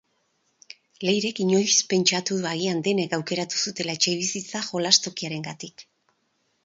Leirek inoiz pentsatu du agian denek aukeratu zutela etxebizitza jolastokiarengatik.